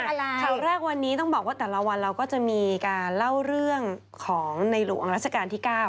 ข่าวแรกวันนี้ต้องบอกว่าแต่ละวันเราก็จะมีการเล่าเรื่องของในหลวงราชการที่๙